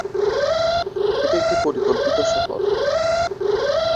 এটি একটি পরিকল্পিত শহর।